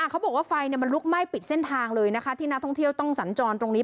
เขาบอกว่าไฟมันลุกไหม้ปิดเส้นทางเลยนะคะที่นักท่องเที่ยวต้องสัญจรตรงนี้